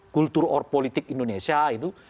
kultur politik indonesia itu